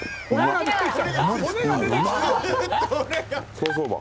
競走馬。